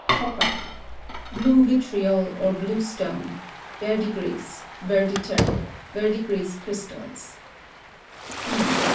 Copper. (Blue vitriol, or bluestone; verdigris; verditer; verdigris crystals.) E.